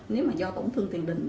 nếu mà do tổn thương tiền đình